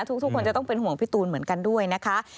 ทุกคนจะต้องเป็นห่วงพี่ตูนเหมือนกันด้วยนะคะ